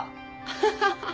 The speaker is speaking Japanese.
ハハハハ！